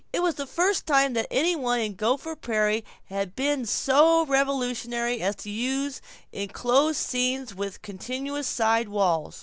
It was the first time that any one in Gopher Prairie had been so revolutionary as to use enclosed scenes with continuous side walls.